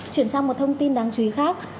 chuyển sang một thông tin đáng chú ý khác